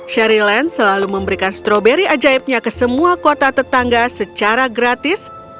sheryland selalu memberikan stroberi ajaibnya ke semua kota tetangga secara gratis